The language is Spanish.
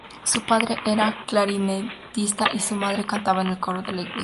Su padre era clarinetista, y su madre cantaba en el coro de la iglesia.